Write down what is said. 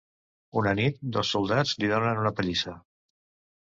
Una nit, dos soldats li donen una pallissa.